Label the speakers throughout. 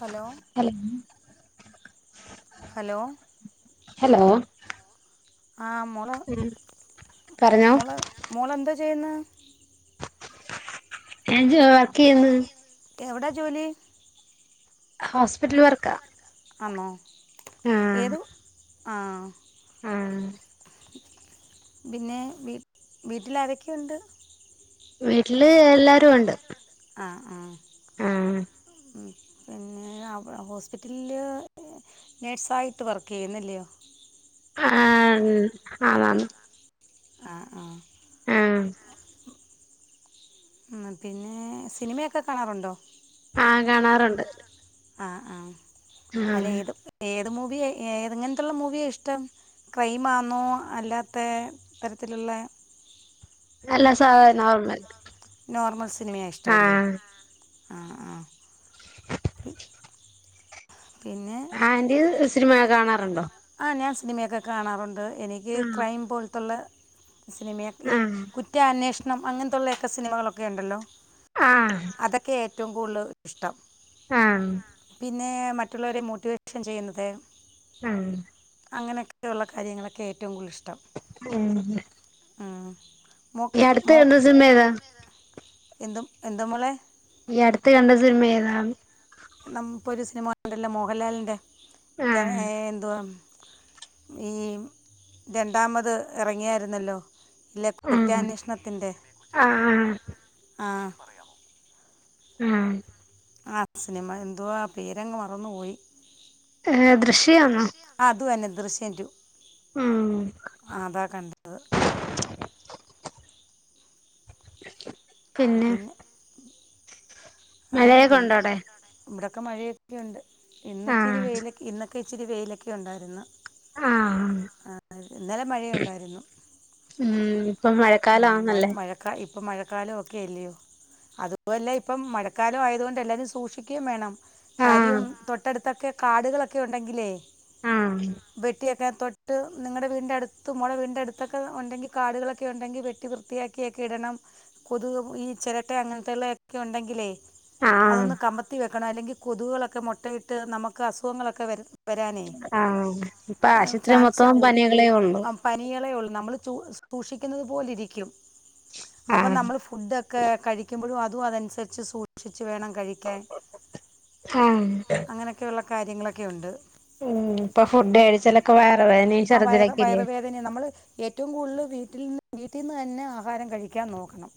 Speaker 1: Hello.
Speaker 2: Hello
Speaker 1: hello
Speaker 2: hello.
Speaker 1: ആ
Speaker 2: പറഞ്ഞോ
Speaker 1: മോൾമോളെ മോള് എന്താ ചെയ്യുന്നത്?
Speaker 2: ഞാൻ [unintelligible]
Speaker 1: എവിടെ ജോലി
Speaker 2: ഹോസ്പിറ്റൽ വർക്കാ.
Speaker 1: ആണോ
Speaker 2: ആഹ്
Speaker 1: ഏതു ആഹ്.
Speaker 2: ആഹ്
Speaker 1: പിന്നെ വീ വീട്ടില് ആരൊക്കെണ്ട്
Speaker 2: വീട്ടില് എല്ലാരൊണ്ട്
Speaker 1: ആഹ് ആഹ്
Speaker 2: ആഹ്
Speaker 1: ഉം പിന്നെ അവ ഹോസ്പിറ്റല്ല് നഴ്സായിട്ട് വർക്ക് എയ്യ്ന്ന് ഇല്ലായോ
Speaker 2: അ ആഹം ആന്നാന്ന്
Speaker 1: ആഹ് ആഹ്
Speaker 2: ആഹ്
Speaker 1: ഉം പിന്നെ സിനിമക്കെ കാണാറുണ്ടോ
Speaker 2: ആഹ് കാണാറുണ്ട്
Speaker 1: ആഹ് ആഹ് അല്ലെ
Speaker 2: ആഹ്
Speaker 1: ഏത് ഏ ഏത് മൂവിയാ ഏതെങ്ങനെതൊള്ള മൂവിയ ഇഷ്ടം ക്രൈമാണോ അല്ലാത്തെ തരത്തിലോ ള
Speaker 2: അല്ലാ സാധ നോർമൽ
Speaker 1: നോർമൽ സിനിമയാ ഇഷ്ടം അല്ലെ
Speaker 2: ആഹ്
Speaker 1: ആഹ് ആഹ് പിന്നെ
Speaker 2: ആന്റി സിനിമയൊക്ക കാണാർ
Speaker 1: ആ ഞാൻ സിനിമയൊക്കെ കാണാറുണ്ട് എനിക്ക്
Speaker 2: ആഹ്
Speaker 1: ക്രൈം പോൽത്തുള്ള സിനിമയെ ഈ
Speaker 2: ആഹ്
Speaker 1: കുറ്റാന്വേഷണം അങ്ങനത്തൊയെള്ളാ ഒക്കെ സിനിമകളൊക്കെണ്ടല്ലോ
Speaker 2: ആഹ്
Speaker 1: അതൊക്കെ ഏറ്റോം കൂടുല് ഇഷ്ടം
Speaker 2: ആഹ്
Speaker 1: പിന്നെ മറ്റുള്ളവരെ മോട്ടിവേഷൻ ചെയ്യ്ന്നത്
Speaker 2: ആഹ്
Speaker 1: അങ്ങനെ ഓക്കെ ഒള്ള കാര്യങ്ങളൊക്കെ ഏറ്റോം കൂടുതല്ല് ഇഷ്ടം
Speaker 2: ഉം
Speaker 1: ഉം
Speaker 2: ഈ അടുത്ത് കണ്ട സിനിമാ ഏതാ
Speaker 1: എന്തും എന്താ മോളെ
Speaker 2: ഈ അടുത്ത് കണ്ട സിനിമ ഏതാന്ന്
Speaker 1: നംപ്പോം ഒര് സിനിമ കണ്ട ല്ലേ മോഹൻലാലിൻ്റെ
Speaker 2: ആഹ്
Speaker 1: ഏഹ് എന്തുവ ഈ രണ്ടാമത് എറങ്ങിയാരുന്നല്ലോ ഇല്ലാ
Speaker 2: ആഹ്
Speaker 1: കൂറ്റാന്വേഷണത്തിന്റെ
Speaker 2: ആഹ്
Speaker 1: ആഹ്
Speaker 2: ഉം
Speaker 1: ആഹ് സിനിമ എന്തുവാ പേര് അങ്ങ് മറന്നു പോയി
Speaker 2: ഏഹ് ദൃശ്യാണോ
Speaker 1: ആ അത് തന്നെ ദൃശ്യം ടു
Speaker 2: ഉം
Speaker 1: അതാ കണ്ടത് പിന്നെ
Speaker 2: മഴയൊക്കെ ഉണ്ടോ അവിടെ
Speaker 1: ഇവിടെയൊക്കെ മഴയൊക്കെയുണ്ട്. ഇന്നിച്ചിരി
Speaker 2: ആഹ്
Speaker 1: വെയിലൊക്കെ ഇന്നൊക്കെ ഇച്ചിരി വെയിലൊക്കെ ഉണ്ടായിരുന്ന്
Speaker 2: ആഹ്
Speaker 1: ആ ഇന്നലെ മഴയുണ്ടായിരുന്നു
Speaker 2: ഉം ഇപ്പൊ
Speaker 1: ഉം, മഴ
Speaker 2: മഴക്കാലാന്നല്ലേ
Speaker 1: മഴക്കാ ഇപ്പം മഴക്കാലം ഒക്കെയല്ലയോ? അതുവല്ല ഇപ്പം മഴക്കാലം ആയത് കൊണ്ട് എല്ലാവരും സൂക്ഷിക്കുകയും വേണം
Speaker 2: ആഹ്
Speaker 1: കാര്യം തൊട്ടടുത്തൊക്കെ കാടുകളൊക്കെ ഉണ്ടെങ്കിലേ
Speaker 2: ആഹ്
Speaker 1: വെട്ടിയൊക്കെ തൊട് ട്ട് നിങ്ങടെ വീടിന്റെ അടുത്ത് മോളെ വീടിന്റെ അടുത്തൊക്കെ ഉണ്ടെങ്കി കാടുകളൊക്കെ ഉണ്ടെങ്കി വെട്ടി വൃത്തിയാക്കിയൊക്കെ ഇടണം കൊതുക് ഈ ചിരട്ട അങ്ങനത്തുള്ളയൊക്കെ ഉണ്ടെങ്കിലേ
Speaker 2: ആഹ്
Speaker 1: അതൊന്ന് കമത്തി വെക്കണം അല്ലെങ്കി കൊതുകുകളൊക്കെ മുട്ടയിട്ട് നമുക്ക് അസുഖങ്ങളൊക്കെ വരരുന്നു
Speaker 2: ആഹ ഇപ്പൊ ആശുത്രി
Speaker 1: ചാൻസ്
Speaker 2: മൊത്തം പനികളേ ഉള്ളു
Speaker 1: സൂ സൂക്ഷിക്കുന്നത് പോലെിരിക്കും
Speaker 2: ആഹ
Speaker 1: ഫുഡൊക്കെ കഴിക്കുമ്പോഴും അതും അതനുസരിച്ച് സൂക്ഷിച്ചി വച്ച് വേണം കഴിക്കാൻ
Speaker 2: ആഹ്
Speaker 1: അങ്ങനെയൊക്കെയുള്ള കാര്യങ്ങളൊക്കെുണ്ട്
Speaker 2: ഉം ഇപ്പൊ ഫുഡ് കഴടിച്ചാലൊക്കെ വേറെ വന
Speaker 1: ആ വയറ്
Speaker 2: ശറദ്ദിലക്കല്ല
Speaker 1: വയറുവേദന വീട്ടിൽന്ന് തന്നെ ആഹാരം കഴിക്കാൻ നോക്കണം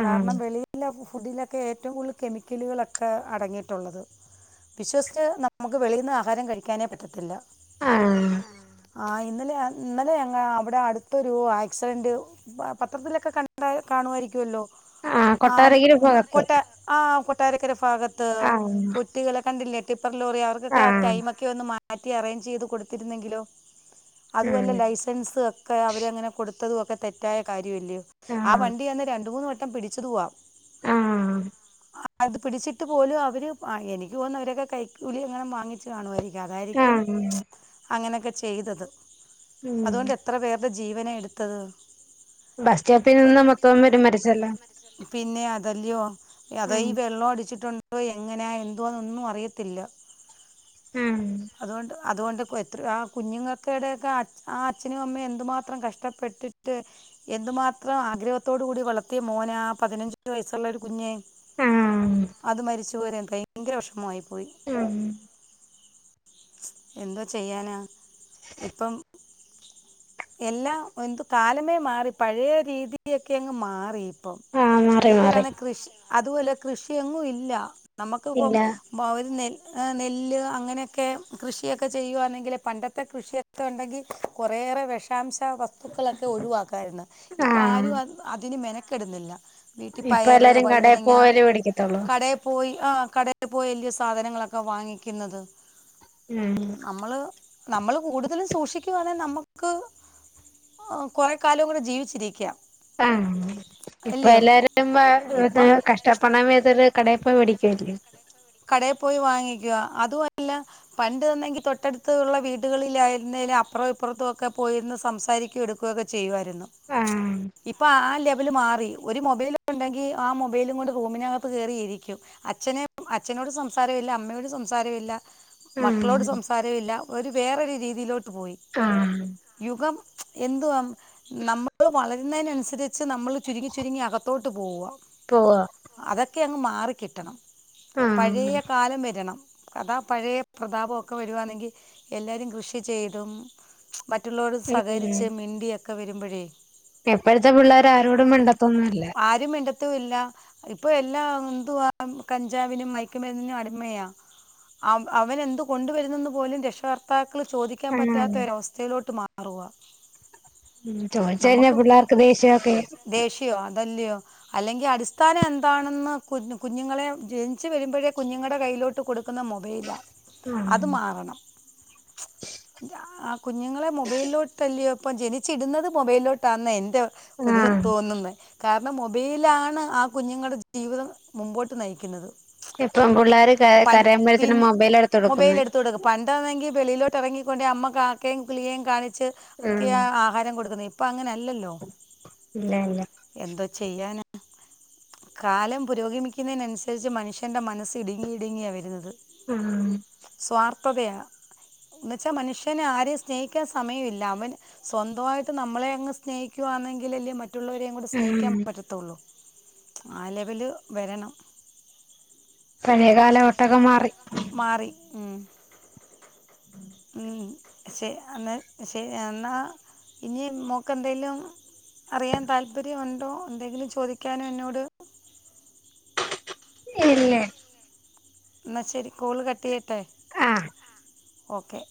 Speaker 2: ആഹ്
Speaker 1: കാരണം വെള ഫു ഒക്കെ ഏറ്റവും കൂടുതൽ കെമിക്കലുകളൊക്കെ അടങ്ങിയിട്ടുള്ളത് വിശ്വസിച്ച നമുക്ക് വെളിന്ന് ആഹാരം കഴിക്കാനേ പറ്റത്തില്ല
Speaker 2: ആഹ്
Speaker 1: ആഹ ഇന്നലെ ഇന്നലെ ഞങ്ങൾ അവിടെ അടുത്തൊരു ആക്സിഡൻറ് പത്രത്തിലൊക്കെ കണ്ട കാണുമായിരിക്കുമല്ലോ
Speaker 2: ആഹ്
Speaker 1: ആ
Speaker 2: കൊട്ടാരക്കര ഭാഗത്ത്
Speaker 1: കൊട്ട ആഹ കൊട്ടാരക്കര ഭാഗത്ത്
Speaker 2: ആഹ്
Speaker 1: കുട്ടികളെ കണ്ടില്ലേ ടിപ്പർ ലോറി അവർക്കൊക്കെ ആ
Speaker 2: ആഹ്
Speaker 1: ടൈമ ഒക്കെന്ന് മാറ്റി അറേ ചെയ് കൊരുന്നിലോ അല്ല
Speaker 2: ആഹ്
Speaker 1: ലൈസ ഒക്കെ അവങ്ങനെ കൊ ത്തതും ഒക്കെ തെറ്റായ കാര്യമല്ലേ ആ
Speaker 2: ആഹ്
Speaker 1: വണ്ടി തന്ന രണ്ട മൂന്ന് വട്ടം പിടിച്ചത് പോവാം
Speaker 2: ആഹ
Speaker 1: അത് പിടിച്ചിട്ട് പോലും അവര് എനിക്ക് പോക അവരൊക്കെ കൈക്കൂലി അങ്ങനെ വാങ്ങിച്ചച്ച് കാണുമായിരിക്കും അ
Speaker 2: ആഹ്
Speaker 1: അ ചെയ
Speaker 2: ഉം
Speaker 1: അ എ എന്ത ജീവനെ എടുത്തത്
Speaker 2: ബസ് സ്റ്റാപ്പിൽ നിന്ന് മൊത്തം മച്ച
Speaker 1: പിന്നെ അതല്ലയോ അത ഈ
Speaker 2: ആഹ്
Speaker 1: വെള്ളം അടിച്ചിട്ടു ോ എങ്ങനാ എന്തോന്നൊന്നും അറിയത്തില്ല
Speaker 2: ആഹ്
Speaker 1: അതുകൊണ്ട് അതുകൊണ്ട് എത്ര ആ കുഞ്ഞുങ്ങൾക്ക ഇടയൊക്കെ ആ അച്ഛനും അമ്മയും എന്തുമാത്രം കഷ്ടപ്പെട്ടിട്ട് എന്തുമാത്രം ആഗ്രഹത്തോട് കൂടി വളർത്തിയ മോനാ പതിനഞ്ച വയസ്സുള്ള ഒരു കുഞ്ഞേ
Speaker 2: ആഹ്
Speaker 1: അത് മരിച്ച പോരെ ഭയങ്കര വിഷമമായി പോയി
Speaker 2: ഉം
Speaker 1: എന്തോ ചെയ്യാനാ ഇപ്പം എല്ലാം എതു കാലമേ മാറി പഴയ രീതിയൊക്കെ അങ്ങ് മാറി അപ്പം
Speaker 2: ആഹ് മാറി മാറി
Speaker 1: ഇപ്പോഴാണ് കൃഷി അതുപോലെ കൃഷിയൊങ്ങും ഇല്ല നമുക്കിപ്പം
Speaker 2: ഇല്ല
Speaker 1: പരുന്നേൽ നെല്ല് അങ്ങനെയൊക്കെ കൃഷിയൊക്കെ ചെയ്യുകയാണെങ്കിൽ പണ്ടത്തെ കൃഷിയൊക്കെ ഉണ്ടെങ്കിൽ കുറേറെ വിഷം വിഷാംശ വസ്തുക്കളൊക്കെ ഒഴിവാക്കാമായിരുന്നു ഇപ്പൾ
Speaker 2: ആഹ്
Speaker 1: ആരും അതിന് മെനക്കിടുന്നില്ല വീട്ടിൽ
Speaker 2: ഇപ്പൊ
Speaker 1: പയറ്
Speaker 2: എല്ലാരും കടേ
Speaker 1: വഴുതനങ്ങ
Speaker 2: പോവല് മേടിക്കത്തുള്ളൂ
Speaker 1: കടയിൽ പോയി കടയിൽ പോയി വലിയ സാധനങ്ങളൊക്കെ വാങ്ങിക്കുന്നത്
Speaker 2: ഉം
Speaker 1: നമ്മൾ നമ്മള് കൂടുതലും സൂക്ഷിക്കുവാണെ നമ്മുക്ക് ആ കൊറെ കാലവും കങ്ങൂടെ ജീവിച്ചിരിക്കുക
Speaker 2: ആഹ ഇപ്പ എല്ലാരും
Speaker 1: ഇപ്പൊ
Speaker 2: കഷ്ടപ്പെടാ തൊരു കടയിൽ പോ പേടിക്കല്ലേ
Speaker 1: കടയിൽ പോയി വാങ്ങിക്കുക അതുംല്ല പണ്ട് തന്നെങ്കി തൊട്ടടുത്തള്ള വീടുകളിലായിരുന്ന അപ്പുറെ പോ സംസാരിക്ക എടുക്കൊക്കെ ചെയരുന്നു
Speaker 2: ആഹ്
Speaker 1: ഇ മാ ഒരു മൊബൈല ഉണ്ടെങ്കിൽ ആ മൊബൈലും കൊ റൂമിനകപ്പ് കറിയിരിക്കും അച്നെ അച്ഛനോട് സംസാരമില്ല അമ്മയോട് സംസാരമില്ല മക്കളോട്
Speaker 2: ആഹ്
Speaker 1: സംസാരമില്ല ഒരു വേറൊരു രീതിയിലോട്ട് പോയി
Speaker 2: ആഹ്
Speaker 1: യുഗം എന്തുവാ നമ്മൾ വളരുന്നതിനനുസരിച്ച് നമ്മൾ ചുരുങ്ങി ചുരുങ്ങി അകത്തോട്ട് പോവുക
Speaker 2: പോവാ
Speaker 1: ഒക്കെ അങ്ങ് മാറിക്കിട്ടണം
Speaker 2: ആഹ്
Speaker 1: പഴയ കാലം വരണം കഥ പഴയ പ്രതാപമൊക്കെ വരുവാണെങ്കിൽ എല്ലാവരും കൃഷി ചെയ്തും മറ്റുള്ളവർ സഹകരിച്ച് മിണ്ടിയൊക്കെ വരുമ്പോഴേ
Speaker 2: എപ്പോഴത്തെ പിള്ളേർ ആരോടും വണ്ടത്തൊന്നുംല്ല
Speaker 1: ഇപ്പ എല്ലാം എന്തുവാ പഞ്ജാവിനും മയക്കുമരുന്നിനും അടിമയാ അവൻ എന്ത് കൊണ്ടുവരുന്നെന്ന് പോലും രക്ഷകർത്ത മാക്കള് ചോദിക്കാാന്
Speaker 2: ആഹ്
Speaker 1: പറ്റാത്ത ഒരവസ്ഥയിലോട്ട് മാറുക
Speaker 2: ഉ ചോദിച്ച കഴിഞ്ഞ
Speaker 1: നമുക്ക്
Speaker 2: പിള്ളേർക്ക് ദേഷ്യൊക്കെ
Speaker 1: ദേഷ്യമോ അതല്ലയോ അല്ലെങ്കിൽ അടിസ്ഥാനം എന്താണെന്ന് കുഞ്ഞ കുഞ്ഞുങ്ങളെ ജനിിച്ചു വരുമ്പോഴേ കുഞ്ഞുങ്ങളുടെ കയ്യിലോട്ട് കൊടുക്കുന്ന മൊബൈലാണ് അത്
Speaker 2: ആഹ്
Speaker 1: മാറണം കുഞ്ഞുങ്ങളെ മൊബൈലിലോട്ട്ല്ലയോ ഇപ്പം ജനിച്ചിടുന്നത് മൊബൈലിലോട്ടാാണ് എൻ്റെ
Speaker 2: ആഹ്
Speaker 1: തോന്നുന്നത് കാരണം മൊബൈലാണ് ആ കുഞ്ഞുങ്ങളുടെ ജീവിതം മുമ്പോട്ട് നയിക്കുന്നത്
Speaker 2: ഇപ്പം പിള്ളേര് കരയുമ്പഴത്തേനും
Speaker 1: പിന്നെ
Speaker 2: മൊബൈലാ എടുത്ത്
Speaker 1: മൊബൈൽ
Speaker 2: കൊടുക്കുന്നെ
Speaker 1: എടുത്ത കൊടുക്ക പണ്ടാണെങ്കി വെളിയിലോട്ട് ഇറങ്ങി കൊണ്ടേ അമ്മ കാാക്കയും കുുള്ളിയും കാണിിച്ചു ഒക്കെ
Speaker 2: ആഹ്
Speaker 1: ആഹാരം കൊടുക്കുന്നത് ഇപ്പ അങ്ങനെല്ലല്ലോ
Speaker 2: ഇല്ല ഇല്ല
Speaker 1: എന്തോ ചെയ്യാന കാലം പുരോഗമിക്കുന്നതിനനുസരിച്ച് മനുഷ്യന്റെ മനസ്സ് ഇടുങ്ങി ഇടുങ്ങിയാ വരുന്നത്
Speaker 2: ആഹ
Speaker 1: കപ്പതയ എന്നന്ന്ുവെച്ചാൽ മനുഷ്യന ആരെയും സ്നേഹിക്കാൻ സമയ ഇില്ല അവൻ സ്വന്തമായിട്ട് നമ്മളെ അങ്ങ് സ്നേഹിക്ക ന്നെങ്കിൽല്ലേ മറ്റുള്ളവരെയും കൂ സ്നേഹിക്കാൻ
Speaker 2: ആഹ്
Speaker 1: പറ്റത്തുള്ളൂ ആ ലെവല് വരണം
Speaker 2: മേകാല ഒട്ടൊക്കെ മാറി
Speaker 1: മാറി ഉ അ എന്ന ഇനി മോക്ക്െന്തെലും അറിയാൻ താല്പര്യമുണ്ടോ എന്തെങ്കിലും ചോദിക്കാനോ എന്നോട്
Speaker 2: ഇല്ലേ
Speaker 1: എന്നാ ശരി കോള് കട്ടിിയട്ടെ
Speaker 2: ആഹ
Speaker 1: ഓക്കെ